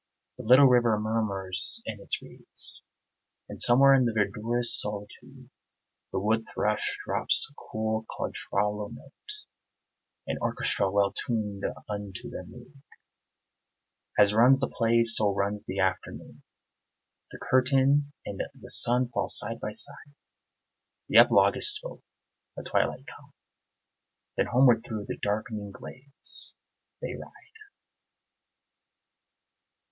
The little river murmurs in its reeds, And somewhere in the verdurous solitude The wood thrush drops a cool contralto note, An orchestra well tuned unto their mood. As runs the play so runs the afternoon; The curtain and the sun fall side by side; The epilogue is spoke, the twilight come; Then homeward through the darkening glades they ride.